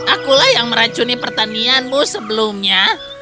akulah yang meracuni pertanianmu sebelumnya